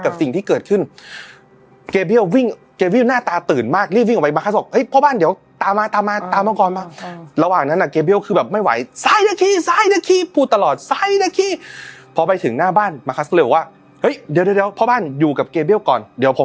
กับสิ่งที่เกิดขึ้นเกฟเบียลวิ่งเกฟเบียลหน้าตาตื่นมากรีดวิ่งออกมาครับพ่อบ้านเดี๋ยวตามมาตามมาตามมาก่อนมาระหว่างนั้นอ่ะเกฟเบียลคือแบบไม่ไหวซ้ายนาทีซ้ายนาทีพูดตลอดซ้ายนาทีพอไปถึงหน้าบ้านมาครับเรียกว่าเฮ้ยเดี๋ยวเดี๋ยวเดี๋ยวพ่อบ้านอยู่กับเกฟเบียลก่อนเดี๋ยวผม